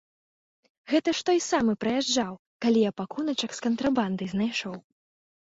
Гэта ж той самы праязджаў, калі я пакуначак з кантрабандай знайшоў.